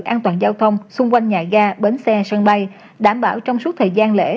an toàn giao thông xung quanh nhà ga bến xe sân bay đảm bảo trong suốt thời gian lễ